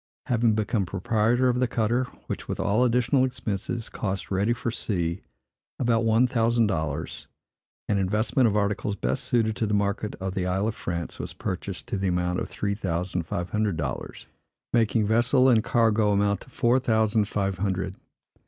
Having become proprietor of the cutter, which, with all additional expenses, cost, ready for sea, about one thousand dollars, an investment of articles best suited to the market of the Isle of France, was purchased to the amount of three thousand five hundred dollars; making vessel and cargo amount to four thousand five hundred.